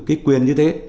cái quyền như thế